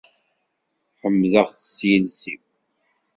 Ḥemdeɣ-t s yiles-iw.